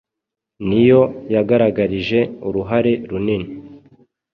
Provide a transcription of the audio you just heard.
niho yagaragarije uruhare runini